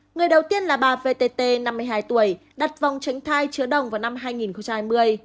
người đầu tiên là bà vtt năm mươi hai tuổi đặt vòng tránh thai chứa đồng vào năm hai nghìn hai mươi